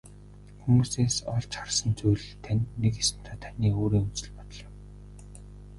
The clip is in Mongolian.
Хүмүүсээс олж харсан зүйл тань нэг ёсондоо таны өөрийн үзэл бодол юм.